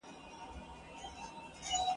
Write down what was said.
نه به په خولو کي نه به په زړه یم..